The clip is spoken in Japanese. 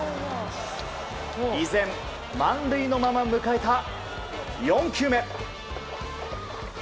依然、満塁のまま迎えた４球目。